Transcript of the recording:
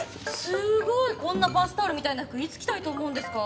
すごい！こんなバスタオルみたいな服いつ着たいと思うんですか？